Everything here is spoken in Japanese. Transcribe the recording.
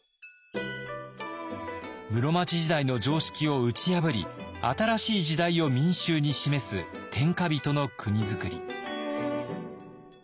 室町時代の常識を打ち破り新しい時代を民衆に示す天下人の国づくり。